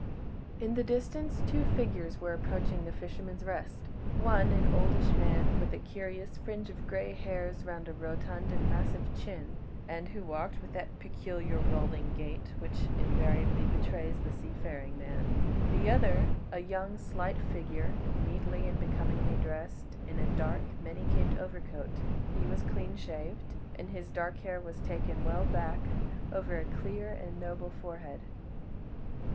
In the distance two figures were approaching "The Fisherman's Rest": one, an oldish man, with a curious fringe of grey hairs round a rotund and massive chin, and who walked with that peculiar rolling gait which invariably betrays the seafaring man: the other, a young, slight figure, neatly and becomingly dressed in a dark, many caped overcoat; he was clean shaved, and his dark hair was taken well back over a clear and noble forehead.